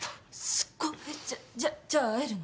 すごっ！じゃじゃあ会えるの？